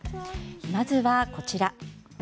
まずは、こちら。